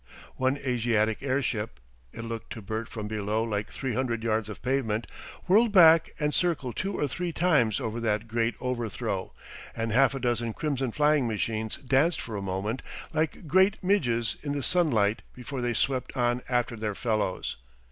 One Asiatic airship it looked to Bert from below like three hundred yards of pavement whirled back and circled two or three times over that great overthrow, and half a dozen crimson flying machines danced for a moment like great midges in the sunlight before they swept on after their fellows.